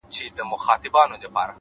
د پخلنځي د لوګي نرمي فضا بدلوي’